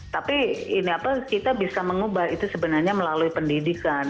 tapi kita bisa mengubah itu sebenarnya melalui pendidikan